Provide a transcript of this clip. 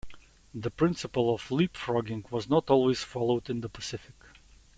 The principle of leapfrogging was not always followed in the Pacific.